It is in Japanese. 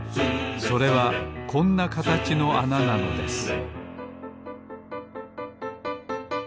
それはこんなかたちのあななのです